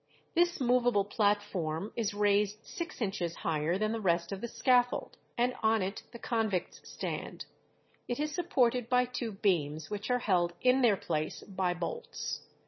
This movable platform is raised six inches higher than the rest of the scaffold, and on it the convicts stand; it is supported by two beams, which are held in their place by bolts.